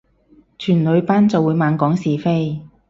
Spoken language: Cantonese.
全女班就會猛講是非